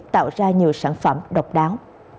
tạo ra nhiều sản phẩm độc đáo